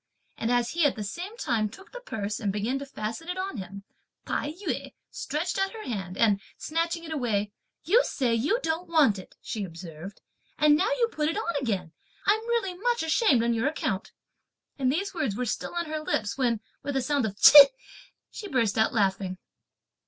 and as he, at the same time, took the purse and began to fasten it on him, Tai yü stretched out her hand, and snatching it away, "You say you don't want it," she observed, "and now you put it on again! I'm really much ashamed on your account!" And these words were still on her lips when with a sound of Ch'ih, she burst out laughing.